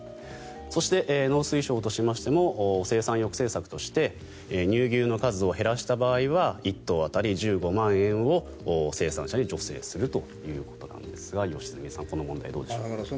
そして、農水省としましても生産抑制策として乳牛の数を減らした場合は１頭当たり１５万円を生産者に助成するということですが良純さん、この問題どうでしょう。